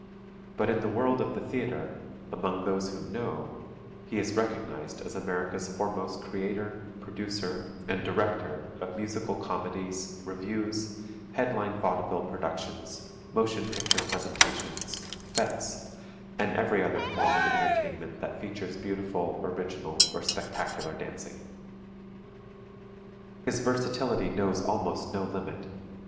But in the world of the theatre among those who know he is recognized as America's foremost creator, producer and director of musical comedies, revues, headline vaudeville productions, motion picture presentations, fêtes and every other form of entertainment that features beautiful, original or spectacular dancing. [Illustration: DOLLY SISTERS] His versatility knows almost no limit.